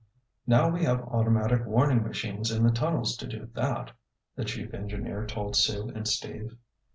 "Now we have automatic warning machines in the tunnels to do that," the chief engineer told Sue and Steve.